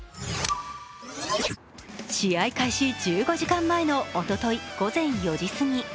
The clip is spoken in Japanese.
試合開始１５時間前のおととい午前４時過ぎ。